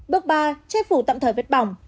bước ba chế phủ tậm thời vết bỏng